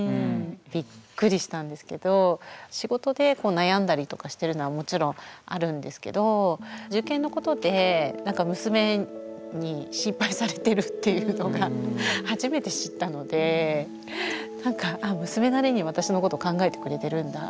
びっくりしたんですけど仕事で悩んだりとかしてるのはもちろんあるんですけど受験のことで娘に心配されてるっていうのが初めて知ったのでなんか娘なりに私のこと考えてくれてるんだって。